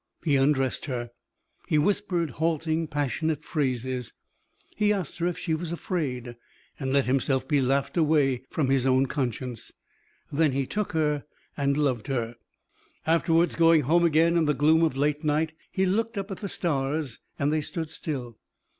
He undressed her. He whispered halting, passionate phrases. He asked her if she was afraid and let himself be laughed away from his own conscience. Then he took her and loved her. Afterwards, going home again in the gloom of late night, he looked up at the stars and they stood still.